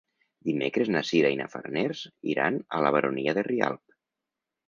Dimecres na Sira i na Farners iran a la Baronia de Rialb.